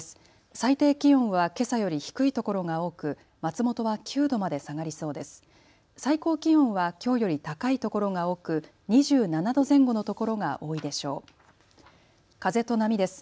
最低気温はけさより低いところが多く松本は９度まで下がりそうです。